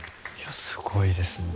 すごいですね。